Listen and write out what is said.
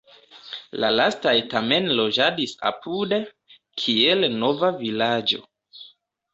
La lastaj tamen loĝadis apude, kiel nova vilaĝo.